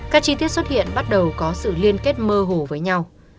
các chi tiết xuất hiện bắt đầu có sự liên kết mơ hồ với nhau